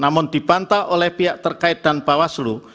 namun dibantah oleh pihak terkait dan bawaslu